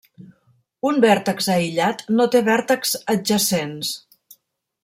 Un vèrtex aïllat no té vèrtexs adjacents.